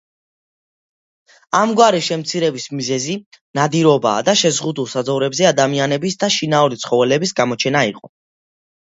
ამგვარი შემცირების მიზეზი ნადირობა და შეზღუდულ საძოვრებზე ადამიანების და შინაური ცხოველების გამოჩენა იყო.